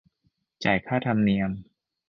จ่ายค่าธรรมเนียม